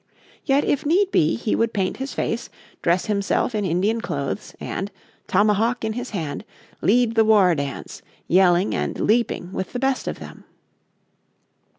Yet if need be he would paint his face, dress himself in Indian clothes, and, tomahawk in his hand, lead the war dance, yelling and leaping with the best of them.